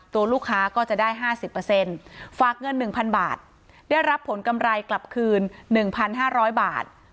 ตัวลูกค้าก็จะได้๕๐ฝากเงิน๑๐๐๐บาทได้รับผลกำไรกลับคืน๑๕๐๐บาท